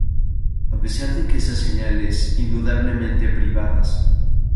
A pesar de que esas señales indudablemente privadas